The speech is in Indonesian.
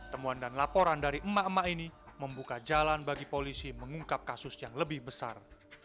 temuan dan laporan dari emak emak ini membuka jalan bagi polisi mengungkap kasus yang lebih besar